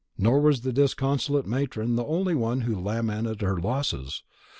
Nor was the disconsolate matron the only one who lamented her losses.